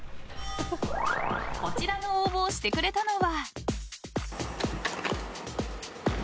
こちらの応募をしてくれたのは。